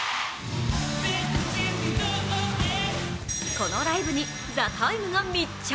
このライブに「ＴＨＥＴＩＭＥ，」が密着。